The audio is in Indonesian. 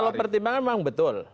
kalau pertimbangan memang betul